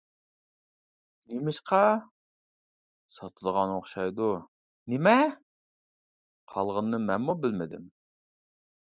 -نېمىشقا؟ -ساتىدىغان ئوخشايدۇ؟ -نېمە؟ -قالغىنىنى مەنمۇ بىلمىدىم.